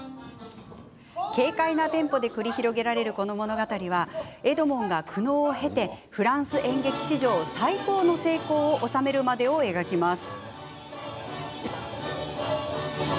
軽快なテンポで繰り広げられるこの物語はエドモンが苦悩を経てフランス演劇史上、最高の成功を収めるまでを描きます。